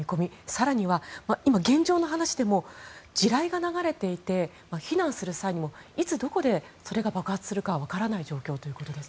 更には現状の話でも地雷が流れていて避難する際にもいつどこでそれが爆発するか分からない状況ということです。